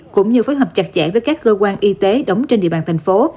cũng như phối hợp chặt chẽ với các cơ quan y tế đóng trên địa bàn thành phố